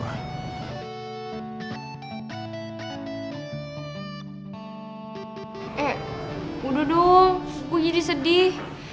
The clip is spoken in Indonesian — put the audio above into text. eh udah dong gue jadi sedih